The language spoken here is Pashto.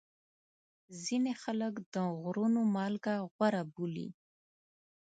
ځینې خلک د غرونو مالګه غوره بولي.